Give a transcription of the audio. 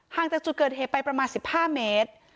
จากจุดเกิดเหตุไปประมาณ๑๕เมตร